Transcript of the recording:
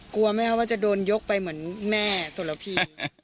กลัวไหมคะว่าจะโดนยกไปเหมือนแม่สลพี